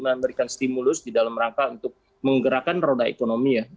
memberikan stimulus di dalam rangka untuk menggerakkan roda ekonomi ya